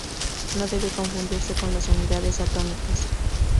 No debe confundirse con las unidades atómicas.